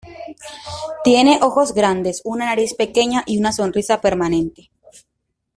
Tiene ojos grandes, una nariz pequeña, y una sonrisa permanente.